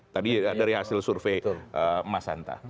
tadi dari hasil survei mas hanta